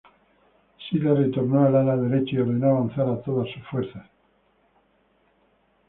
Sila retornó a ala derecha y ordenó avanzar a todas sus fuerzas.